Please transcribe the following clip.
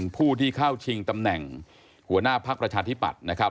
ผู้ที่เข้าชิงตำแหน่งหัวหน้าพักประชาธิปัตย์นะครับ